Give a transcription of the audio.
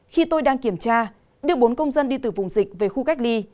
khi tôi đang kiểm tra đưa bốn công dân đi từ vùng dịch về khu cách ly